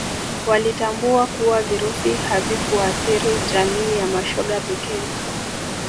walitambua kuwa virusi havikuathiri jamii ya mashoga pekee